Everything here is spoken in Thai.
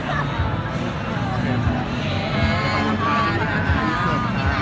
ขอบคุณค่ะ